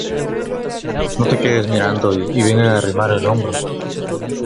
No te quedes mirando y ven a arrimar el hombro